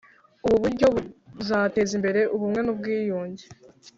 ubu buryo buzateza imbere ubumwe n'ubwiyunge,